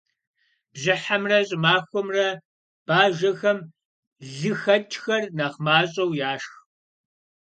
Бжьыхьэмрэ щӀымахуэмрэ бажэхэм лыхэкӏхэр нэхъ мащӏэу яшх.